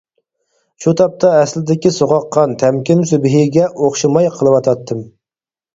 شۇ تاپتا ئەسلىدىكى سوغۇققان، تەمكىن سۈبھىگە ئوخشىماي قىلىۋاتاتتىم.